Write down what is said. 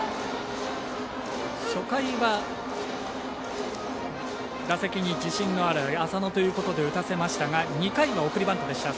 初回は打席に自信のある浅野ということで打たせましたが２回は送りバントでした。